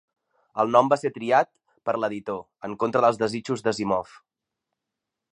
El nom va ser triat per l'editor, en contra dels desitjos d'Asimov.